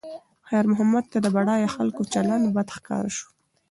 خیر محمد ته د بډایه خلکو چلند بد ښکاره شو.